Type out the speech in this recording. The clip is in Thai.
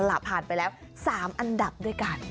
ผ่านไปแล้ว๓อันดับด้วยกัน